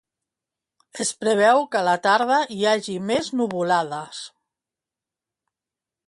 Es preveu que a la tarda hi hagi més nuvolades.